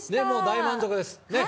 もう大満足です。